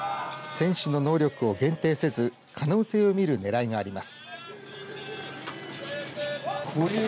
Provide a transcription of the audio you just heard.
選手の能力を限定せず可能性を見るねらいがあります。